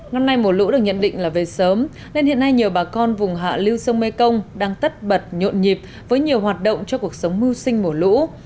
năm nay mùa lũ được nhận định là về sớm nên hiện nay nhiều bà con vùng hạ lưu sông mê công đang tất bật nhộn nhịp với nhiều hoạt động cho cuộc sống mưu sinh mùa lũ